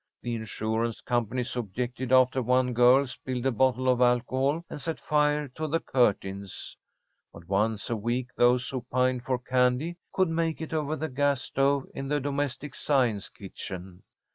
The insurance companies objected after one girl spilled a bottle of alcohol and set fire to the curtains. But once a week those who pined for candy could make it over the gas stove in the Domestic Science kitchen.